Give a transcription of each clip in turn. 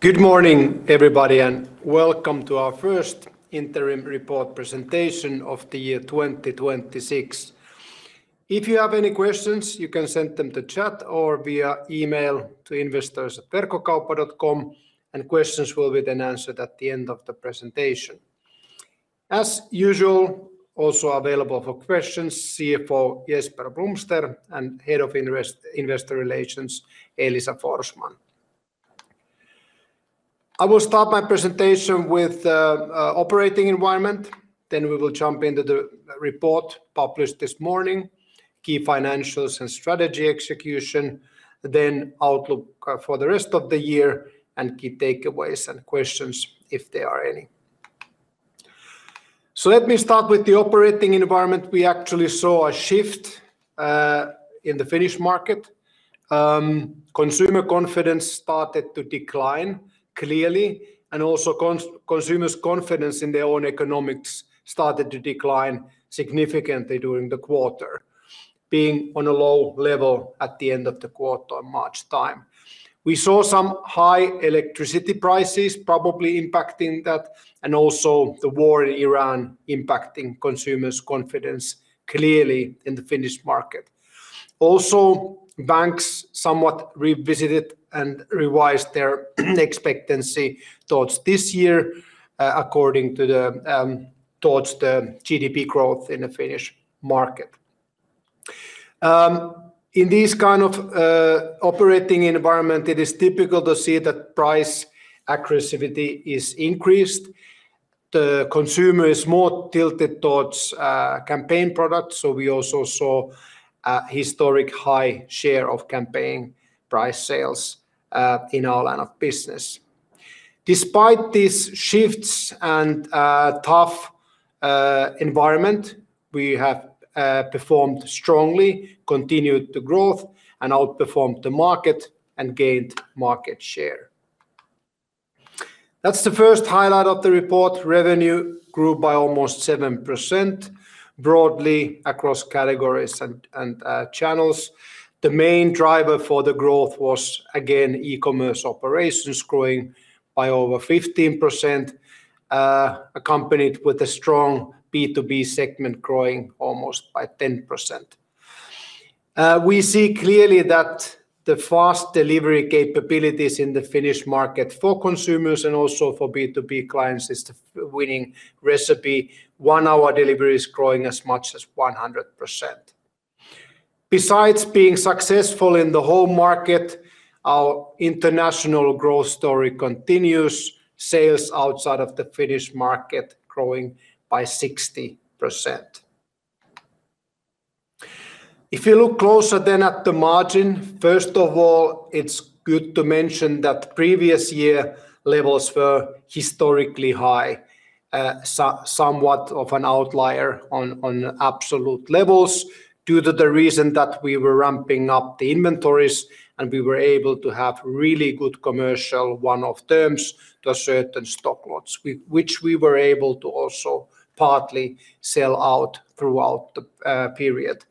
Good morning everybody, and welcome to our first interim report presentation of the year 2026. If you have any questions, you can send them to chat or via email to investors@verkkokauppa.com, and questions will be then answered at the end of the presentation. As usual, also available for questions, CFO Jesper Blomster and Head of Investor Relations, Elisa Forsman. I will start my presentation with operating environment, then we will jump into the report published this morning, key financials and strategy execution, then outlook for the rest of the year and key takeaways and questions if there are any. Let me start with the operating environment. We actually saw a shift in the Finnish market. Consumer confidence started to decline clearly, and also consumers' confidence in their own economy started to decline significantly during the quarter, being on a low level at the end of the quarter on March time. We saw some high electricity prices probably impacting that, and also the war in Ukraine impacting consumers' confidence clearly in the Finnish market. Also, banks somewhat revisited and revised their expectancy towards this year according to the GDP growth in the Finnish market. In this kind of operating environment, it is typical to see that price aggressiveness is increased. The consumer is more tilted towards campaign products. We also saw a historic high share of campaign price sales in our line of business. Despite these shifts and tough environment, we have performed strongly, continued to growth, and outperformed the market and gained market share. That's the first highlight of the report. Revenue grew by almost 7%, broadly across categories and channels. The main driver for the growth was, again, e-commerce operations growing by over 15%, accompanied with a strong B2B segment growing almost by 10%. We see clearly that the fast delivery capabilities in the Finnish market for consumers and also for B2B clients is the winning recipe. 1-hour delivery is growing as much as 100%. Besides being successful in the home market, our international growth story continues, sales outside of the Finnish market growing by 60%. If you look closer then at the margin, first of all, it's good to mention that previous year levels were historically high. Somewhat of an outlier on absolute levels due to the reason that we were ramping up the inventories and we were able to have really good commercial one-off terms to certain stock lots, which we were able to also partly sell out throughout the period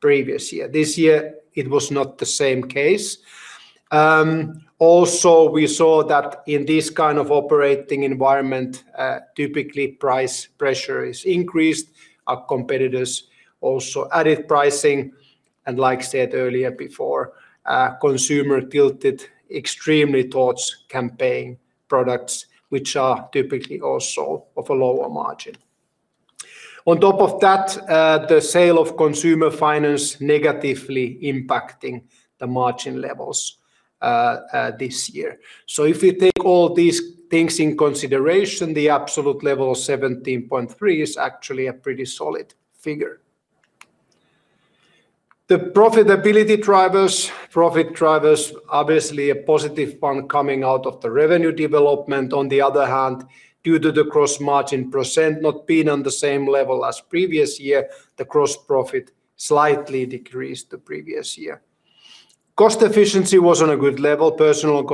previous year. This year it was not the same case. We saw that in this kind of operating environment, typically price pressure is increased. Our competitors also added pricing, and as said earlier, the consumer tilted extremely towards campaign products, which are typically also of a lower margin. On top of that, the sales of consumer finance negatively impacting the margin levels this year. If you take all these things in consideration, the absolute level of 17.3% is actually a pretty solid figure. The profitability drivers, obviously a positive one coming out of the revenue development. On the other hand, due to the gross margin % not being on the same level as previous year, the gross profit slightly decreased the previous year. Cost efficiency was on a good level. Personnel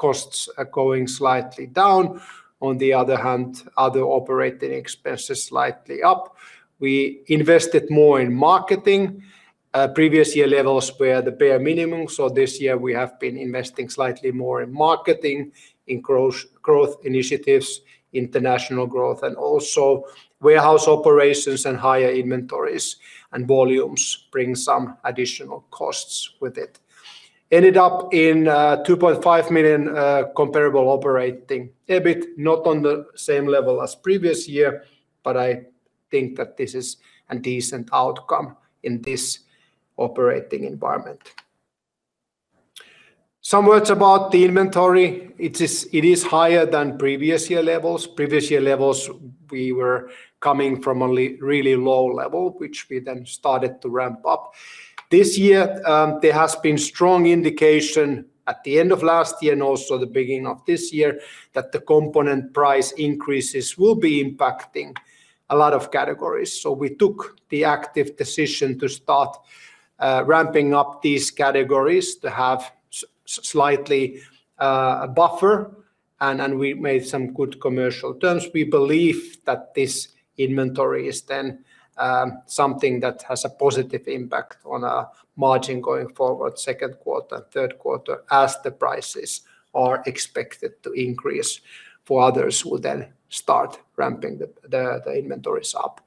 costs are going slightly down. On the other hand, other operating expenses slightly up. We invested more in marketing. Previous year levels were the bare minimum, so this year we have been investing slightly more in marketing, in growth initiatives, international growth, and also warehouse operations and higher inventories and volumes bring some additional costs with it. Ended up in 2.5 million comparable operating EBIT, not on the same level as previous year, but I think that this is a decent outcome in this operating environment. Some words about the inventory. It is higher than previous year levels. Previous year levels, we were coming from a really low level, which we then started to ramp up. This year, there has been strong indication at the end of last year and also the beginning of this year that the component price increases will be impacting a lot of categories. We took the active decision to start ramping up these categories to have slightly a buffer and we made some good commercial terms. We believe that this inventory is then something that has a positive impact on our margin going forward, Q2, Q3, as the prices are expected to increase for others who then start ramping the inventories up.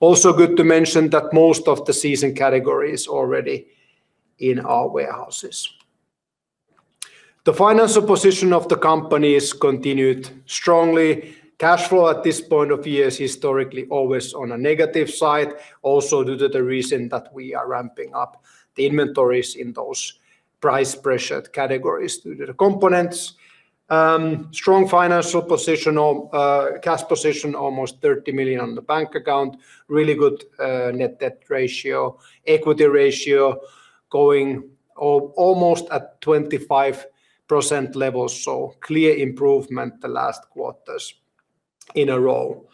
Also good to mention that most of the season categories already in our warehouses. The financial position of the company continued strongly. Cash flow at this point of year is historically always on a negative side, also due to the reason that we are ramping up the inventories in those price-pressured categories due to the components. Strong financial position or cash position, almost 30 million on the bank account. Really good net debt ratio, equity ratio going almost at 25% levels, clear improvement in the last quarters in a row.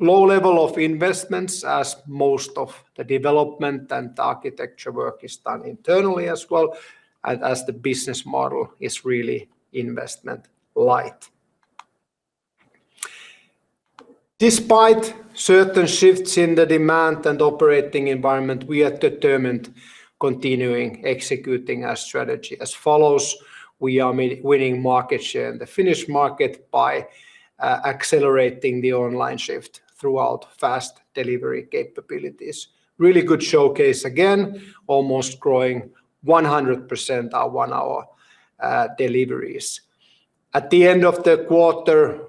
Low level of investments as most of the development and architecture work is done internally as well as the business model is really investment light. Despite certain shifts in the demand and operating environment, we are determined continuing executing our strategy as follows. We are winning market share in the Finnish market by accelerating the online shift throughout fast delivery capabilities. Really good showcase again, almost growing 100% our 1-hour deliveries. At the end of the quarter,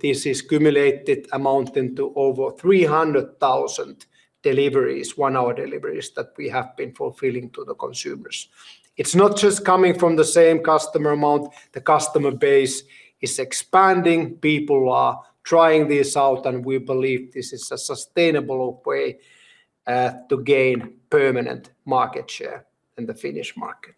this is the cumulative amount of over 300,000 deliveries, 1-hour deliveries that we have been fulfilling to the consumers. It's not just coming from the same customer amount. The customer base is expanding. People are trying this out, and we believe this is a sustainable way to gain permanent market share in the Finnish market.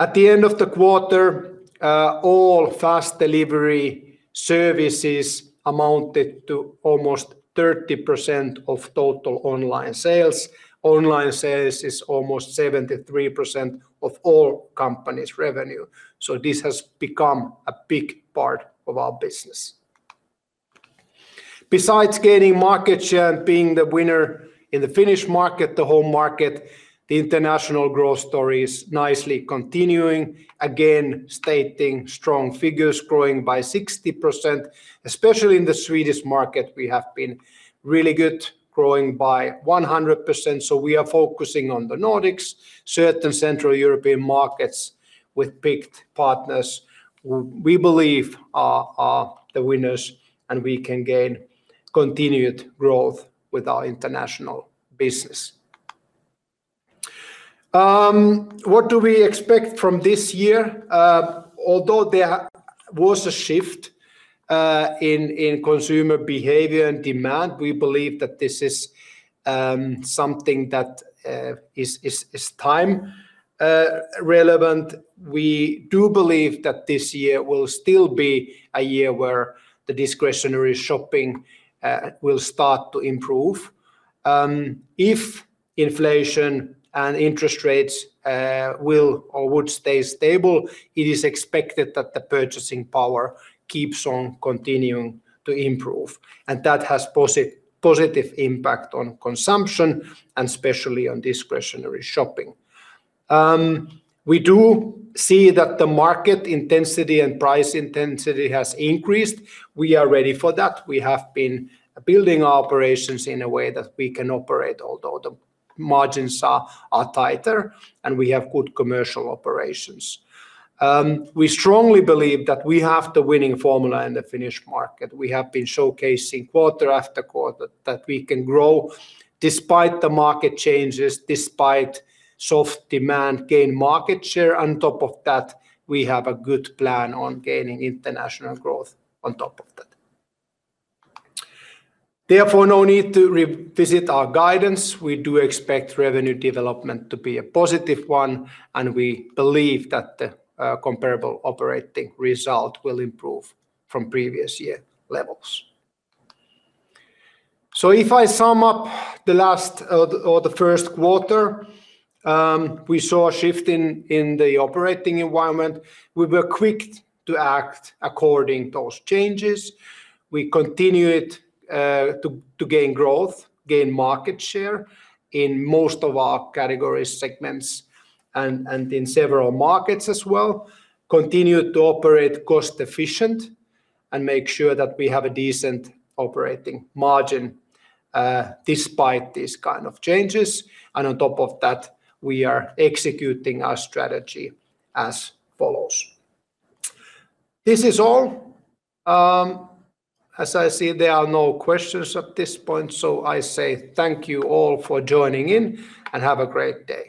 At the end of the quarter, all fast delivery services amounted to almost 30% of total online sales. Online sales is almost 73% of all company's revenue. This has become a big part of our business. Besides gaining market share and being the winner in the Finnish market, the home market, the international growth story is nicely continuing. Again, stating strong figures growing by 60%, especially in the Swedish market, we have been really good, growing by 100%, so we are focusing on the Nordics, certain central European markets with picked partners we believe are the winners, and we can gain continued growth with our international business. What do we expect from this year? Although there was a shift in consumer behavior and demand, we believe that this is something that is temporary. We do believe that this year will still be a year where the discretionary shopping will start to improve. If inflation and interest rates will or would stay stable, it is expected that the purchasing power keeps on continuing to improve, and that has positive impact on consumption and especially on discretionary shopping. We do see that the market intensity and price intensity has increased. We are ready for that. We have been building our operations in a way that we can operate, although the margins are tighter, and we have good commercial operations. We strongly believe that we have the winning formula in the Finnish market. We have been showcasing quarter-after-quarter that we can grow despite the market changes, despite soft demand, gain market share. On top of that, we have a good plan on gaining international growth on top of that. Therefore, no need to revisit our guidance. We do expect revenue development to be a positive one, and we believe that the comparable operating result will improve from previous year levels. If I sum up the Q1, we saw a shift in the operating environment. We were quick to act according to those changes. We continued to gain growth, gain market share in most of our category segments and in several markets as well, continued to operate cost-efficient, and make sure that we have a decent operating margin despite these kind of changes. On top of that, we are executing our strategy as follows. This is all. As I see, there are no questions at this point, so I say thank you all for joining in, and have a great day.